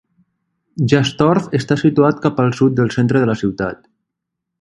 Jastorf està situat cap al sud del centre de la ciutat.